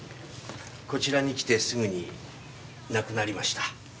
こちらに来てすぐに亡くなりました。